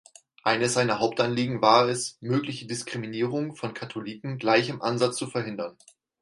Eines seiner Hauptanliegen war es, mögliche Diskriminierungen von Katholiken gleich im Ansatz zu verhindern.